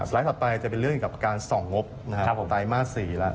ถัดไปจะเป็นเรื่องกับการส่องงบไตรมาส๔แล้ว